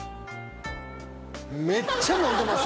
「めっちゃ飲んでます。